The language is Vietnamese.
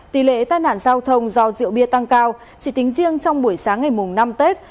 tỷ lệ tai nạn giao thông do rượu bia tăng cao chỉ tính riêng trong buổi sáng ngày mùng năm tết